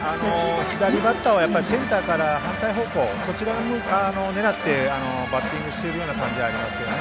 左バッターはやっぱりセンターから反対方向そちらを狙ってバッティングしているような感じがありますよね。